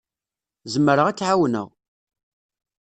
Zemreɣ ad k-ɛawneɣ.